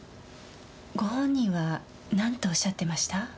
ご本人はなんとおっしゃってました？